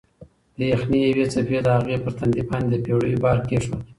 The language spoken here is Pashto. د یخنۍ یوې څپې د هغې پر تندي باندې د پېړیو بار کېښود.